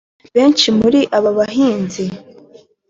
Benshi muri aba bahanzi